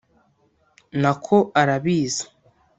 Na ko arabizi